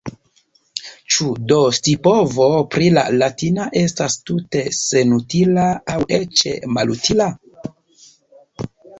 Ĉu do scipovo pri la latina estas tute senutila – aŭ eĉ malutila?